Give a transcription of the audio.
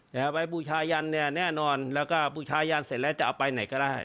เอาไปบูชายันเนี่ยแน่นอนแล้วก็บูชายันเสร็จแล้วจะเอาไปไหนก็ได้